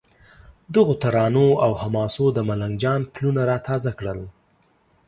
دغو ترانو او حماسو د ملنګ جان پلونه را تازه کړل.